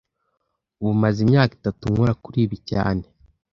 Ubu maze imyaka itatu nkora kuri ibi cyane